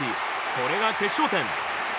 これが決勝点！